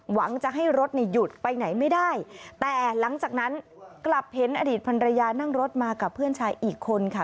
หวังจะให้รถเนี่ยหยุดไปไหนไม่ได้แต่หลังจากนั้นกลับเห็นอดีตภรรยานั่งรถมากับเพื่อนชายอีกคนค่ะ